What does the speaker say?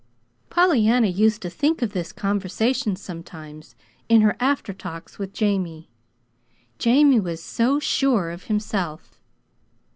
Pollyanna used to think of this conversation sometimes, in her after talks with Jamie. Jamie was so sure of himself.